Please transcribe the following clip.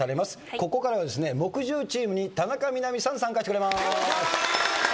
ここからは木１０チームに田中みな実さん参加してくれます。